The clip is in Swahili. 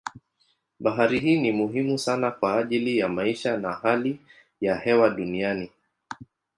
Bahari ni muhimu sana kwa ajili ya maisha na hali ya hewa duniani.